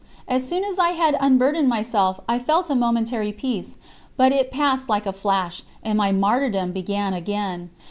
As soon as I had unburdened myself I felt a momentary peace, but it passed like a flash, and my martyrdom began again.